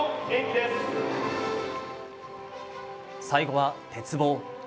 最後は鉄棒。